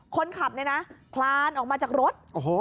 คนขับนะครับคลานออกมาจากรถ